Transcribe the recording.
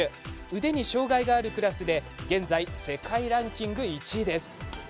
腕に障がいがあるクラスで現在、世界ランキング１位です。